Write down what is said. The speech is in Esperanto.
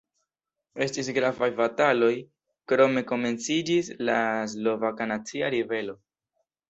Estis gravaj bataloj, krome komenciĝis la Slovaka Nacia Ribelo.